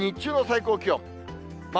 日中の最高気温。